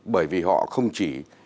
bởi vì họ không chỉ